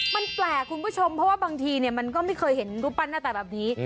มันแปลกคุณผู้ชมเพราะว่าบางทีมันก็ไม่เคยเห็นรูปปั้นหน้าตาแบบนี้